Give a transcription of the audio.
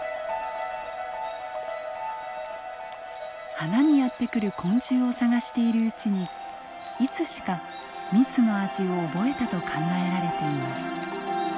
花にやって来る昆虫を探しているうちにいつしか蜜の味を覚えたと考えられています。